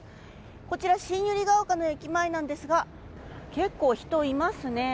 こちら新百合丘の駅前なんですが結構、人がいますね。